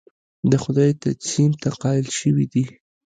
د خدای تجسیم ته قایل شوي دي.